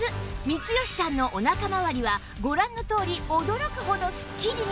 光吉さんのお腹まわりはご覧のとおり驚くほどスッキリに！